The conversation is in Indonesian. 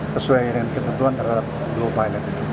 sesuai dengan ketentuan terhadap blue pilot